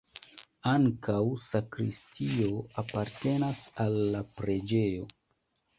Ankaŭ sakristio apartenas al la preĝejo.